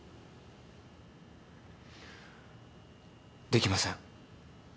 できません。